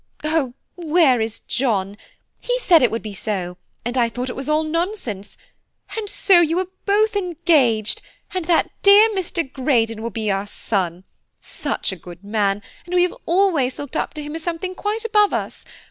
Oh! where is John? He said it would be so, and I thought it was all nonsense; and so you are both engaged, and that dear Mr. Greydon will be our son; such a good man, and we have always looked up to him as something quite above us.